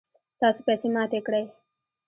تاسو پیسی ماتی کړئ